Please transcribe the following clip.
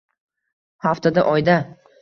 Haftada, oyda…